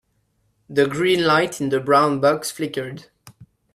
The green light in the brown box flickered.